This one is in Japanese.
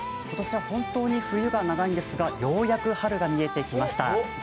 今年は本当に冬が長いんですがようやく春が見えてきました。